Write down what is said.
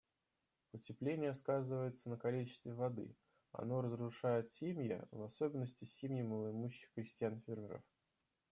Потепление сказывается на количестве воды; оно разрушает семьи, в особенности семьи малоимущих крестьян-фермеров.